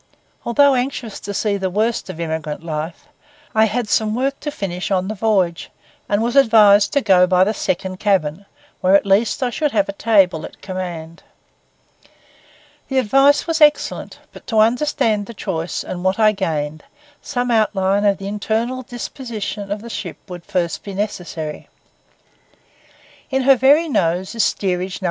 Although anxious to see the worst of emigrant life, I had some work to finish on the voyage, and was advised to go by the second cabin, where at least I should have a table at command. The advice was excellent; but to understand the choice, and what I gained, some outline of the internal disposition of the ship will first be necessary. In her very nose is Steerage No.